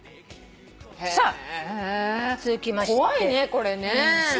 へぇ怖いねこれね。